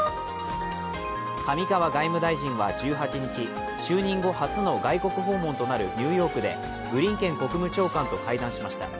上川外務大臣は１８日、就任後初の外国訪問となるニューヨークでブリンケン国務長官と会談しました。